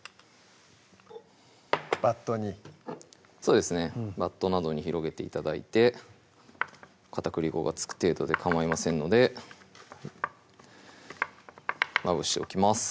バットにそうですねバットなどに広げて頂いて片栗粉が付く程度でかまいませんのでまぶしておきます